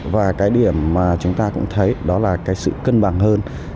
và cái điểm mà chúng ta cũng thấy đó là cái sự cân bằng hơn